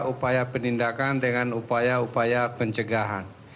upaya penindakan dengan upaya upaya pencegahan